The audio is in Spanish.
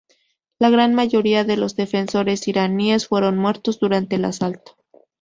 La gran mayoría de los defensores iraníes fueron muertos durante el asalto.